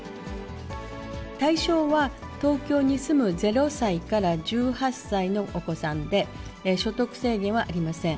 対象は、東京に住む０歳から１８歳のお子さんで、所得制限はありません。